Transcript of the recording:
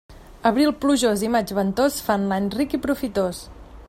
Abril plujós i maig ventós fan l'any ric i profitós.